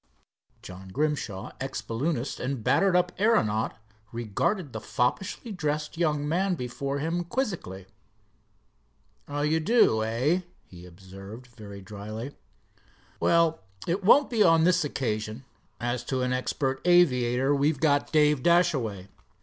John Grimshaw, ex balloonist and battered up aeronaut, regarded the foppishly dressed young man before him quizzically. "Oh, you do, eh?" he observed, very dryly. "Well, it won't be on this occasion. As to an expert aviator, we've got Dave Dashaway."